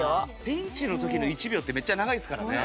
ピンチの時の１秒ってめっちゃ長いですからね。